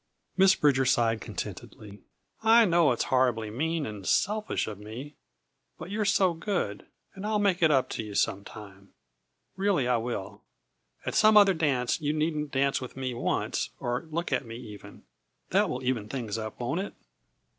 Miss Bridger sighed contentedly. "I know it's horribly mean and selfish of me, but you're so good and I'll make it up to you some time. Really I will! At some other dance you needn't dance with me once, or look at me, even That will even things up, won't it?"